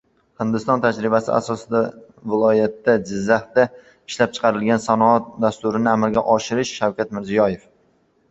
Hindiston tajribasi asosida viloyatda “Jizzaxda ishlab chiqaring” sanoat dasturini amalga oshiramiz - Shavkat Mirziyoyev